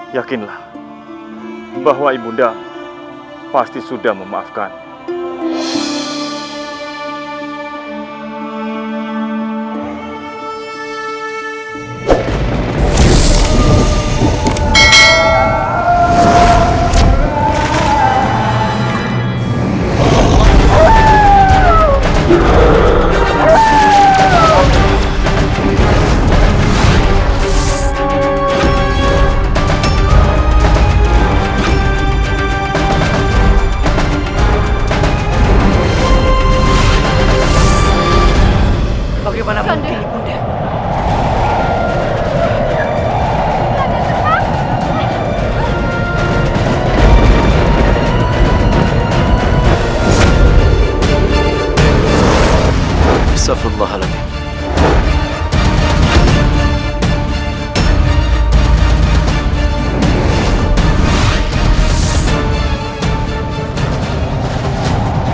jangan terus merasa bersalah